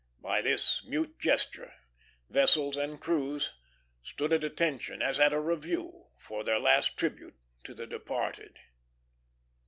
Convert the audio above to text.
By this mute gesture, vessels and crews stood at attention, as at a review, for their last tribute to the departed.